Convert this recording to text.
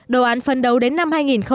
đồ án phần đầu đến năm hai nghìn một mươi chín